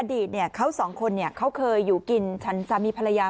อดีตเขาสองคนเขาเคยอยู่กินฉันสามีภรรยา